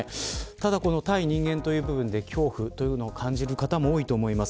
ただ、対人間という部分で恐怖を感じる方も多いと思います。